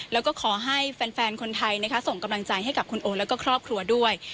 แล้วก็ขอให้แฟนคนไทยส่งกำลังใจให้กับคุณโอแล้วก็ครอบครัวด้วย